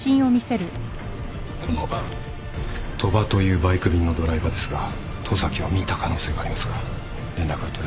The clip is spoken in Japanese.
この鳥羽というバイク便のドライバーですが十崎を見た可能性がありますが連絡が取れません。